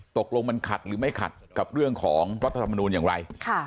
ตกลงมันขัดหรือไม่ขัดกับเรื่องของรัฐธรรมนูลอย่างไร